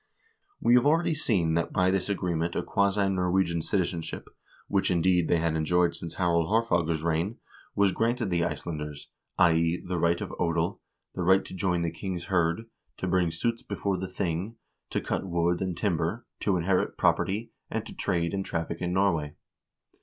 We have already seen that by this agreement a quasi Norwegian citizenship, which, indeed, they had enjoyed since Harald Haarfagre's reign, was granted the Ice THE ANNEXATION OF ICELAND AND GREENLAND 435 landers; i.e. the right of odel, the right to join the king's hird, to bring suits before the thing, to cut wood and timber, to inherit property, and to trade and traffic in Norway.